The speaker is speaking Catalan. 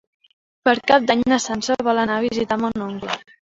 Per Cap d'Any na Sança vol anar a visitar mon oncle.